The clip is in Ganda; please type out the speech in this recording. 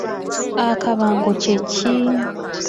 Akabango kye ki?